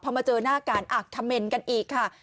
พอมาเจอหน้ากันคำเมนต์กันอีกค่ะ